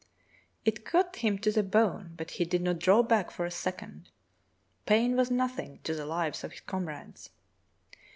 It cut him to the bone, but he did not draw back for a second. Pain was nothing to the lives of his comrades.